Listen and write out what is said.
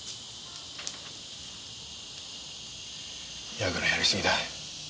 ヤクのやり過ぎだ。